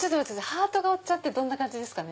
ハートがおっちゃんってどんな感じですか？